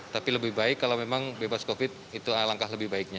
tapi lebih baik kalau memang bebas covid itu alangkah lebih baiknya